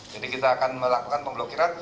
jadi kita akan melakukan pemblokiran